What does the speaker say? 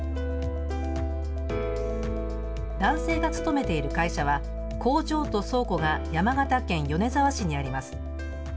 男性が勤めている会社は工場と倉庫が山形県米沢市にあります。